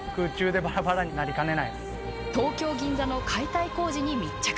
東京・銀座の解体工事に密着。